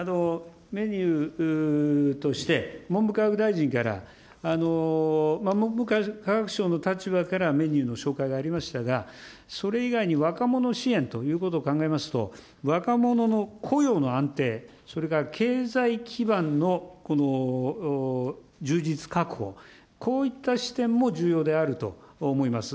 メニューとして、文部科学大臣から、文部科学省の立場からメニューの紹介がありましたが、それ以外に若者支援ということを考えますと、若者の雇用の安定、それから経済基盤の充実確保、こういった視点も重要であると思います。